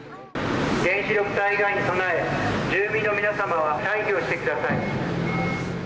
原子力災害に備え住民の皆さまは退避をしてください。